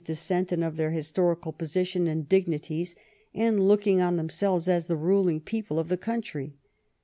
136 PETERBOROUGH IN SPAIN descent, of their historical position and dignities, and looking on themselves as the ruling people of the country.